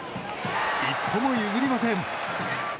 一歩も譲りません。